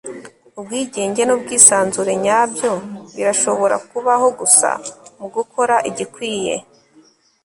ubwigenge n'ubwisanzure nyabyo birashobora kubaho gusa mugukora igikwiye